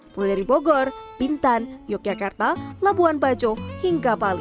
mulai dari bogor bintan yogyakarta labuan bajo hingga bali